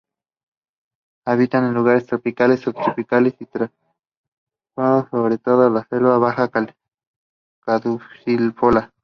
Habitan en lugares tropicales, subtropicales y templados sobre todo en selva baja caducifolia.